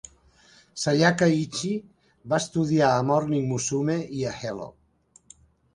Sayaka Ichii va estudiar a Morning Musume i a Hello!